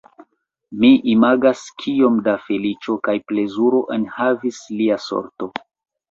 Mi imagas, kiom da feliĉo kaj plezuro enhavis lia sorto!